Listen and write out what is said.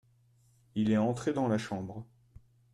Il est entré dans la chambre.